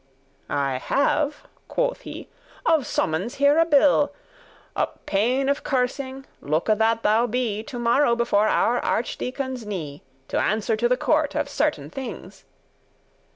"I have," quoth he, "of summons here a bill. Up* pain of cursing, looke that thou be *upon To morrow before our archdeacon's knee, To answer to the court of certain things."